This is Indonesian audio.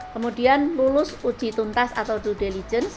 kemudian lulus uji tuntas atau due diligence